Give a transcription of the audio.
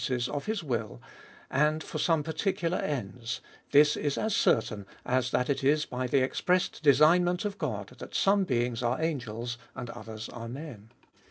ses of his vviil, and for some particuhir ends; this is as certain, as that it is by the express design ment of God, that some being s arc angels, and others are men.